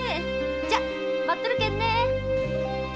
じゃ待っとるけんね！